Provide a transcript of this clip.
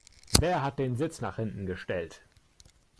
Wer hat den Sitz nach hinten gestellt?